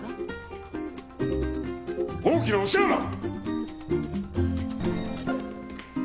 大きなお世話だ！